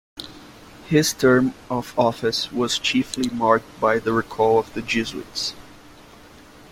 His term of office was chiefly marked by the recall of the Jesuits.